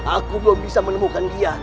aku belum bisa menemukan dia